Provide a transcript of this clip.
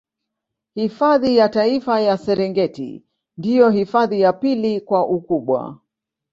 Hifadhi ya Taifa ya Serengeti ndio hifadhi ya pili kwa ukubwa